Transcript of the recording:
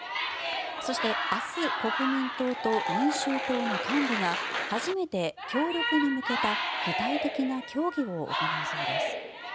そして、明日国民党と民衆党の幹部が初めて協力に向けた具体的な協議を行うそうです。